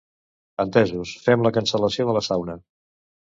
Entesos, fem la cancel·lació de la sauna.